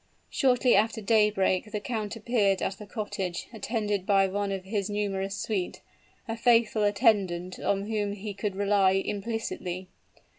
Shortly after daybreak the count appeared at the cottage, attended by one of his numerous suite a faithful attendant on whom he could rely implicitly.